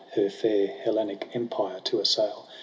Her fair Hellenic empire to assail.